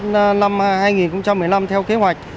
năm hai nghìn một mươi năm theo kế hoạch